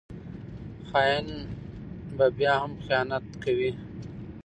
خاین به بیا هم خیانت کوي